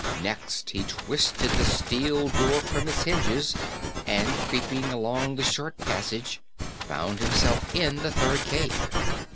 Next he twisted the steel door from its hinges, and creeping along the short passage, found himself in the third cave.